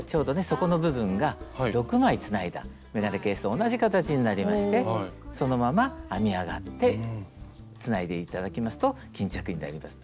底の部分が６枚つないだ眼鏡ケースと同じ形になりましてそのまま編み上がってつないで頂きますと巾着になります。